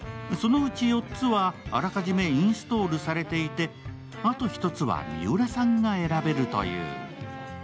そのうち４つは、あらかじめインストールされていてあと１つはミウラさんが選べるという。